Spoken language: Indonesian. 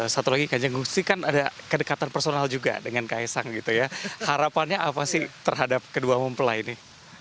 satu lagi kanjeng gusti kan ada kedekatan personal juga dengan kaisang gitu ya harapannya apa sih terhadap kedua mempelai ini